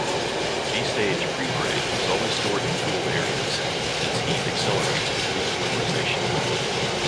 B-Stage pre-preg is always stored in cooled areas since heat accelerates complete polymerization.